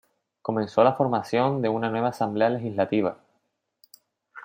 Comenzó la formación de una nueva asamblea legislativa.